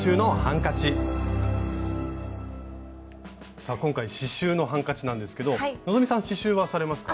さあ今回刺しゅうのハンカチなんですけど希さん刺しゅうはされますか？